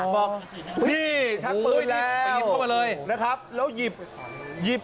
บอกนี่ชั้นปืนแล้วโอ้โหไปหยิบเข้ามาเลยนะครับแล้วหยิบ